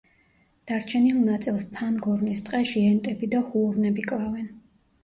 დარჩენილ ნაწილს ფანგორნის ტყეში ენტები და ჰუორნები კლავენ.